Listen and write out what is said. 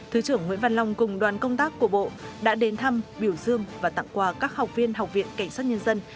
thứ trưởng nguyễn văn long cùng đoàn công tác của bộ đã đến thăm biểu dương và tặng quà các học viên học viện cảnh sát nhân dân